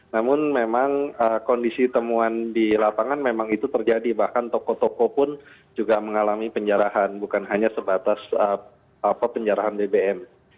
namun memang kondisi temuan di lapangan memang itu terjadi bahkan toko toko pun juga mengalami penjarahan bukan hanya sebatas penjarahan bbm